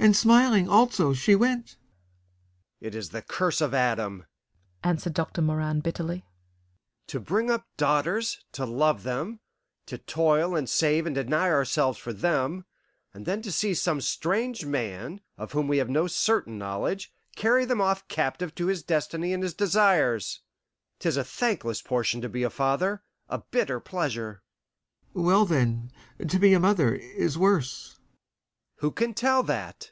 and smiling, also, she went." "It is the curse of Adam," answered Doctor Moran bitterly "to bring up daughters, to love them, to toil and save and deny ourselves for them, and then to see some strange man, of whom we have no certain knowledge, carry them off captive to his destiny and his desires. 'Tis a thankless portion to be a father a bitter pleasure." "Well, then, to be a mother is worse." "Who can tell that?